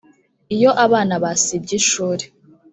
iyo abana basibye ishuri